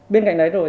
bên cạnh đấy rồi